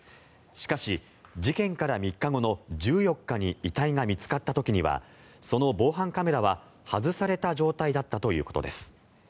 しかし、事件から３日後の１４日に遺体が見つかった時にはその防犯カメラは外された状態だったということです。